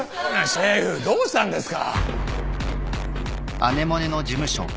シェフどうしたんですか。